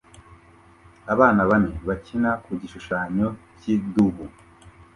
Abana bane bakina ku gishushanyo cy'idubu